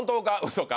嘘か？